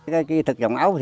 cái thực dòng ấu